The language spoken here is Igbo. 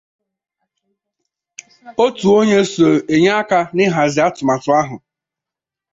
otu onye so enye aka n'ịhazi atụmatụ ahụ